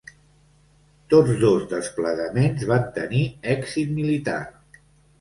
Tots dos desplegaments van tenir èxit militar.